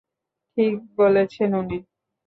ঠিক বলেছেন উনি।